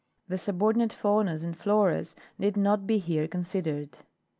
The subordinate faunas and floras need not be here considered.